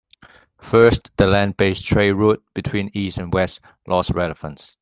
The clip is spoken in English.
First, the land based trade route between east and west lost relevance.